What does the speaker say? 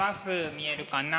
見えるかな？